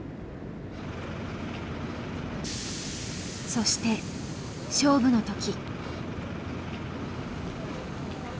そして勝負の時。